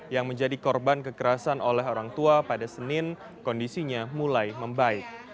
yang menjadi korban kekerasan oleh orang tua pada senin kondisinya mulai membaik